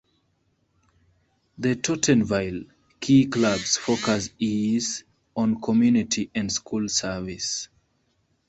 The Tottenville Key Club's focus is on community and school service.